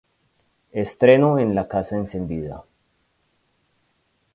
Estreno en La Casa Encendida.